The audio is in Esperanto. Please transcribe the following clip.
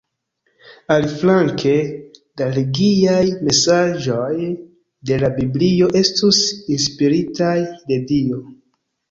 Aliflanke, la religiaj mesaĝoj de la Biblio estus inspiritaj de Dio.